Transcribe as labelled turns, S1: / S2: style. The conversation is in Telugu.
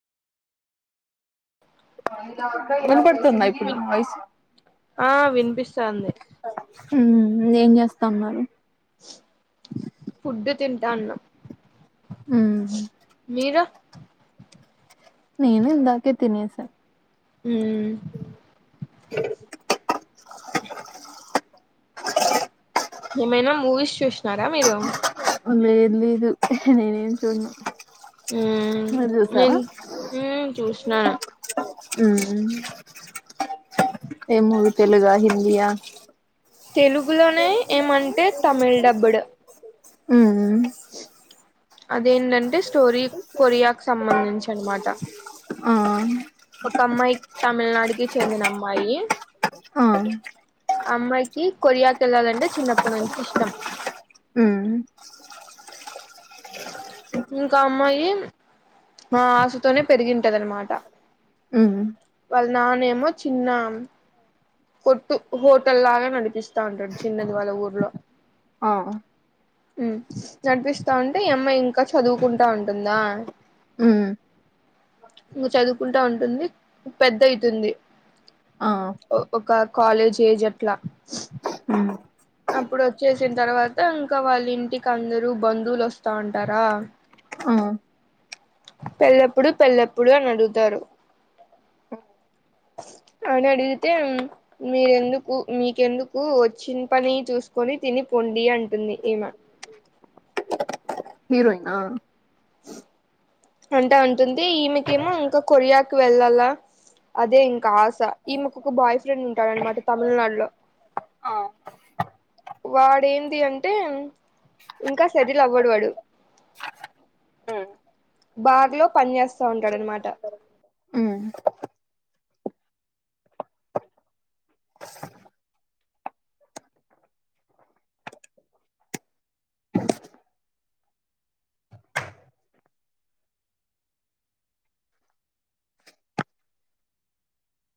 S1: వినపడుతుంద ఇప్పుడు నా వయసు
S2: వినిపిస్తుంది
S1: హ్మ్ ఏం చేస్తా ఉన్నారు
S2: ఫుడ్డు తింటా ఉన్నం
S1: ఉమ్
S2: మీరు
S1: నేను ఇందాకే తనేసా
S2: హ్మ్ ఏమైనా మూవీస్ చూసినారా మీరు
S1: ఒళ్ళలే ఇర్లి ఇదు నేనం చుడాను
S2: మ్మ్
S1: మీరు చూసారా
S2: నేను మ్మ్ చూసినాను
S1: ఏ మూవీ తెలుగ హిందీయా
S2: తెలుగులోనే ఏమంటే తమిళ్ డబ్బుడు
S1: మ్మ్
S2: అదేంటంటే స్టోరీ కొరియాకి సంబంధించి అనమాట
S1: అ
S2: ఒక అమ్మాయి తమిళనాడుకి చెందిన అమ్మాయి
S1: అ
S2: అమ్మాయికి కొరియాకి వెళ్ళాలంటే చిన్నప్పటి నుంచి ఇష్టం
S1: ఉమ్
S2: ఇంకా అమ్మాయి ఆ ఆశతోనే పెరిగింటదనమాట
S1: ఉమ్
S2: వాళ్ళ నానేమో చిన్న కొట్టు హోటల్ లాగా నడిపిస్తా ఉంటాడు చిన్నది వాళ్ళ ఊర్లో
S1: ఆ
S2: మ్మ్ నడిపిస్తస్తా ఉండి అతే అమ్మాయి ఇంకా చదువుకుంటా ఉంటుందా
S1: ఉమ్
S2: ఇ చదువుకుంటా ఉంటుంది పెద్ద అయితుంది
S1: ఆ
S2: ఒక కాలేజ్ ఏజ్ అట్లా
S1: ఉమ్
S2: అప్పుడు వచ్చేసిన తర్వాత ఇంకా వాళ్ళ ఇంటికి అందరుూ బంధువులు వస్తా ఉంటారా
S1: ఆ
S2: పెల్లప్పుడు పెల్లప్పుడు అని అడుగుతారు అ అని అడిగితే మీరెందుకు మీకెందుకు వచ్చిన పని చూసుకొని తిని పండి అంటుంది ఈమె
S1: హీరోయినా
S2: అంటా ఉంటుంది ఈమెకేమో ఇంకా కొరియా వెళ్ళాలా అదే ఇంకా ఈ మాకు ఒక బాయ్ ఫ్రెండ్ ఉంటాడు అనమాట తమిళనాడులో
S1: ఆ
S2: వాడేంటి అంటే ఇంకా సెటిల్ అవ్వడు వాడు
S1: హ్మ్
S2: బార్లో పని చేస్తా ఉంటాడనమాట
S1: ఉమ్